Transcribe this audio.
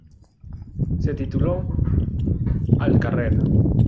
Se tituló "Al carrer!